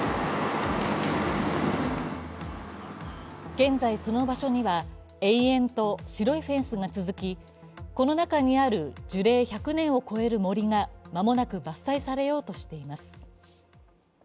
現在、その場所には延々と白いフェンスが続きこの中にある樹齢１００年を超える森が間もなく伐採されようとしています。